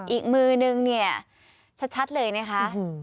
อีกมือนึงเนี่ยชัดเลยนะคะ